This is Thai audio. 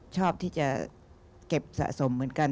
ชอบที่จะเก็บสะสมเหมือนกัน